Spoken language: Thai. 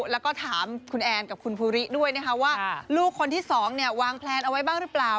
แล้วก็ถามคุณแอนกับคุณภูริด้วยนะคะว่าลูกคนที่๒วางแพลนเอาไว้บ้างหรือเปล่า